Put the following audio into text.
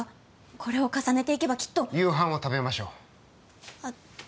これを重ねていけばきっと夕飯を食べましょうあっ